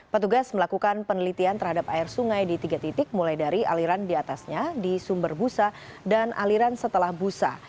petugas melakukan penelitian terhadap air sungai di tiga titik mulai dari aliran di atasnya di sumber busa dan aliran setelah busa